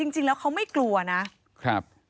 จริงแล้วเขาไม่กลัวนะครับ